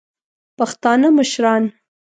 پښتانه مشران